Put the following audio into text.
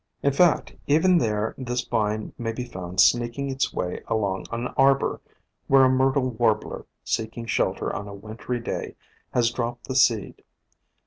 In fact, even there this vine may be found sneaking its way along an arbor, where a myrtle warbler, seeking shelter on a wintry day, has dropped the seed.